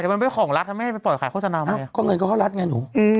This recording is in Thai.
แต่มันเป็นของรัฐแม่ไปปล่อยขายโฆษณามากก็เงินก็เข้ารัฐไงหนู